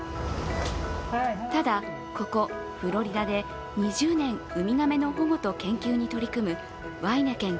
ただ、ここフロリダで２０年ウミガメの保護と研究に取り組むワイネケン